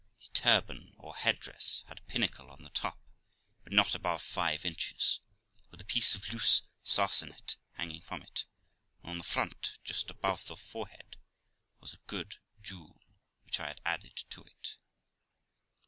The turban, or head dress, had a pinnacle on the top, but not above five inches, with a piece of loose sarcenet hanging from it; and on the front, just over the forehead, was a good jewel which I had added to it.